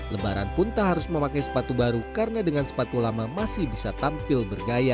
lebaran pun tak harus memakai sepatu baru karena dengan sepatu lama masih bisa tampil bergaya